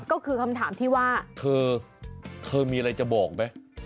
ก็คือคำถามที่ว่าเธอเธอมีอะไรจะบอกไหม